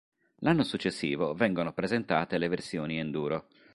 L'anno successivo vengono presentate le versioni enduro.